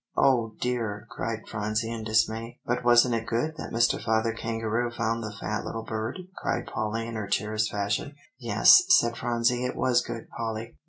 '" "Oh, dear!" cried Phronsie in dismay. "But wasn't it good that Mr. Father Kangaroo found the fat little bird?" cried Polly in her cheeriest fashion. "Yes," said Phronsie, "it was good, Polly."